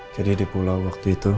jadi di pulau waktu itu